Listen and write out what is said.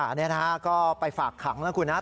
อันนี้นะฮะก็ไปฝากขังแล้วคุณครับ